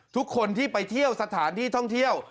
ทุกคนที่ไปเที่ยวสถานที่ท่องเที่ยว